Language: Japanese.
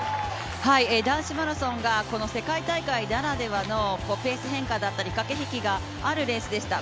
男子マラソンがこの世界大会ならではのペース変化だったり、駆け引きがあるレースでした。